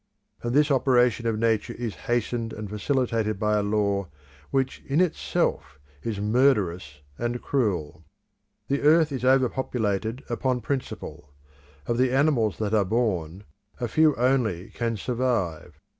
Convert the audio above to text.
And this operation of Nature is hastened and facilitated by a law which in itself is murderous and cruel. The earth is over populated upon principle. Of the animals that are born, a few only can survive.